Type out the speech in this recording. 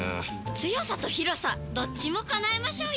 強さと広さどっちも叶えましょうよ！